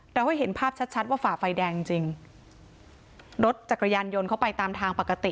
เราให้เห็นภาพชัดชัดว่าฝ่าไฟแดงจริงจริงรถจักรยานยนต์เขาไปตามทางปกติ